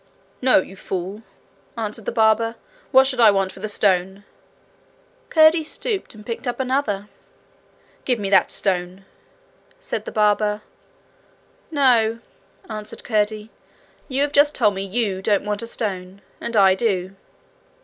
'No, you fool!' answered the barber. 'What should I want with a stone?' Curdie stooped and picked up another. 'Give me that stone,' said the barber. 'No,' answered Curdie. 'You have just told me YOU don't want a stone, and I do.'